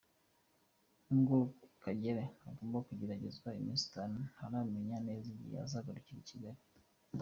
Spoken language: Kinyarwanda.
Nubwo Kagere agomba kugeragezwa iminsi itanu, ntaramenya neza igihe azagarukira i Kigali.